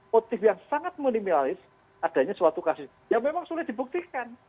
motif yang sangat minimalis adanya suatu kasus yang memang sulit dibuktikan